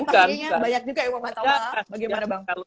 banyak juga yang mematah